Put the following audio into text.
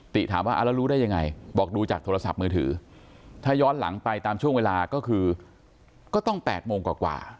ถามว่าแล้วรู้ได้ยังไงบอกดูจากโทรศัพท์มือถือถ้าย้อนหลังไปตามช่วงเวลาก็คือก็ต้อง๘โมงกว่า